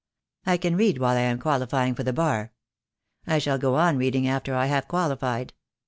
I can read while I am qualifying for the Bar. I shall go on reading after I have qualified.